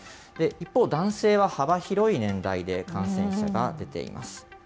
一方、男性は幅広い年代で感染者が出ています。